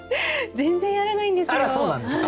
全然やらないんですよ。